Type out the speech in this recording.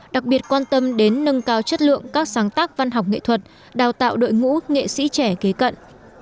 đặc biệt quan tâm đến nâng cao chất lượng các sáng tác văn học nghệ thuật đào tạo đội ngũ nghệ sĩ trẻ kế cận